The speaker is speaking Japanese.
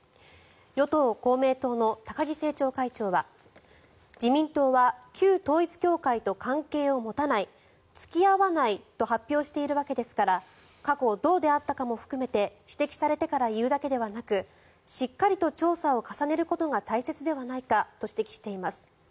与党・公明党の高木政調会長は自民党は旧統一教会と関係を持たない付き合わないと発表しているわけですから過去どうであったかも含めて指摘されてからいうだけではなくしっかりと調査を重ねることが大切ではないかと指摘しています。